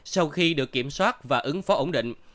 sau khi được kiểm soát và ứng phó ổn định